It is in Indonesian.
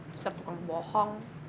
terserah tukang bohong